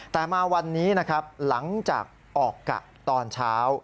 แต่มาวันนี้นะครับหลังจากออกกะตอนเช้า